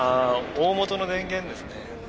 大本の電源ですね。